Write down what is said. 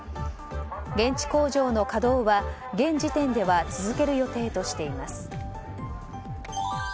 現地工場の稼働は、現時点では続ける予定としています。